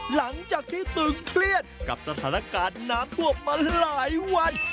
หลังจากที่ตึงเครียดกับสถานการณ์น้ำท่วมมาหลายวัน